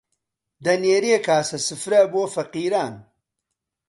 دەنێری کاسە سفرە بۆ فەقیران